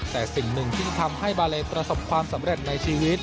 แต่สิ่งหนึ่งที่ทำให้บาเลประสบความสำเร็จในชีวิต